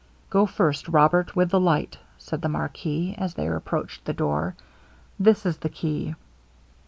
'Go first, Robert, with the light,' said the marquis, as they approached the door; 'this is the key.'